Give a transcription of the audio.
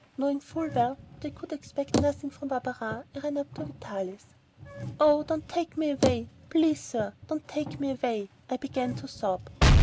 Knowing full well that I could expect nothing from Barberin, I ran up to Vitalis. "Oh, don't take me away. Please, sir, don't take me away." I began to sob.